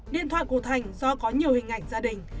điện thoại của thành do có nhiều hình ảnh gia đình